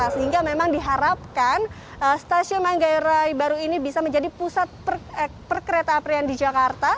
sehingga memang diharapkan stasiun manggarai baru ini bisa menjadi pusat perkereta aprian di jakarta